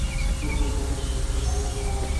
زه پر موترسایکل کور ته رالم.